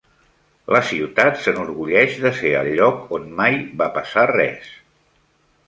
La ciutat s'enorgulleix de ser el lloc on mai va passar res.